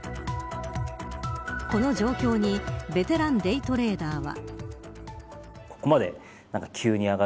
この状況にベテランデイトレーダーは。